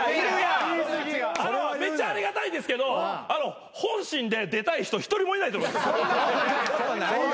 めっちゃありがたいですけど本心で出たい人１人もいないと思います。